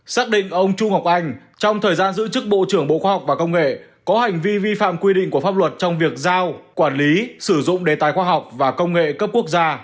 xác định ông chu ngọc anh trong thời gian giữ chức bộ trưởng bộ khoa học và công nghệ có hành vi vi phạm quy định của pháp luật trong việc giao quản lý sử dụng đề tài khoa học và công nghệ cấp quốc gia